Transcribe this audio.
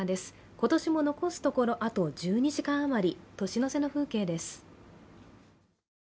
今年も残すところあと１２時間あまり、年の瀬の風景です。